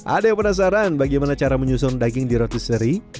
ada yang penasaran bagaimana cara menyusun daging di rotisserie